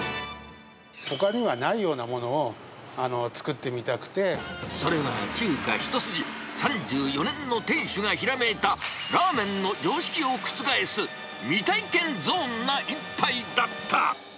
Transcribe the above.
ほかにはないようなものを作それは中華一筋３４年の店主がひらめいた、ラーメンの常識を覆す未体験ゾーンな一杯だった。